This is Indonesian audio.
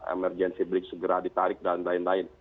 emergency break segera ditarik dan lain lain